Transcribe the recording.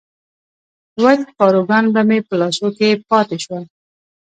وچ پاروګان به مې په لاسو کې پاتې شول.